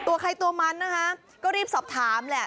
ตัวใครตัวมันนะคะก็รีบสอบถามแหละ